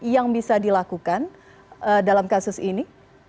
yang bisa dilakukan dalam kasus ini